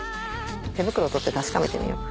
手袋取って確かめてみよう。